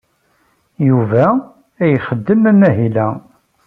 Yuba ad yexdem amahil-a.